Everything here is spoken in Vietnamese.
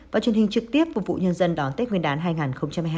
và truyền hình trực tiếp phục vụ nhân dân đón tết nguyên đán hai nghìn hai mươi hai